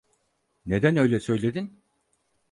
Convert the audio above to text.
Neden öyle söyledin?